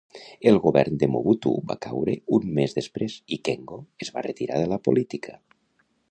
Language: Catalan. El govern de Mobutu va caure un mes després i Kengo es va retirar de la política.